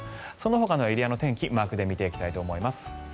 そのほかのエリアの天気マークで見ていきたいと思います。